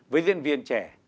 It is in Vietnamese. với diễn viên trẻ